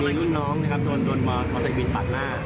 รุ่นน้องนะครับโดนมอเซวินตัดหน้า